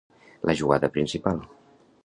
La jugada principal.